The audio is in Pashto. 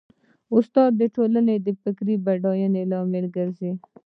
استاد د ټولنې د فکري بډاینې لامل ګرځي.